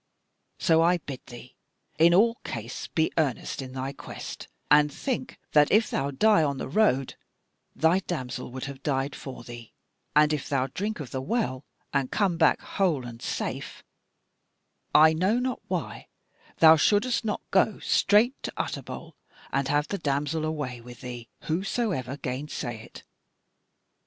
So I bid thee in all case be earnest in thy quest; and think that if thou die on the road thy damsel would have died for thee; and if thou drink of the Well and come back whole and safe, I know not why thou shouldest not go straight to Utterbol and have the damsel away with thee, whosoever gainsay it.